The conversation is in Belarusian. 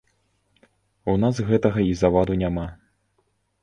У нас гэтага і заваду няма.